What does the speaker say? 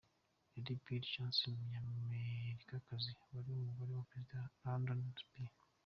Lady Bird Johnson, umunyamerikakazi wari umugore wa perezida Lyndon B.